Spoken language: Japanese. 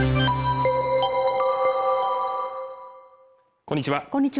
こんにちは